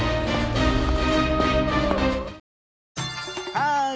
ハーイ！